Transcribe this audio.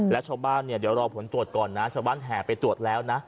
และชาวบ้านเนี่ยเดี๋ยวรอผลตรวจก่อนนะชาวบ้านแห่ไปตรวจแล้วนะ